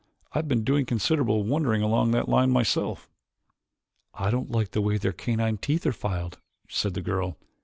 "I have been doing considerable wondering along that line myself." "I don't like the way their canine teeth are filed," said the girl.